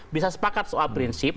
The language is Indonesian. bisa sepakat soal prinsip